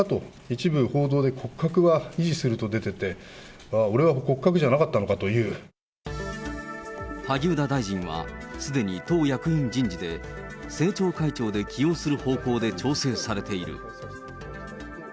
一部報道で、骨格は維持すると出てて、萩生田大臣は、すでに党役員人事で、政調会長で起用する方向で調整されている。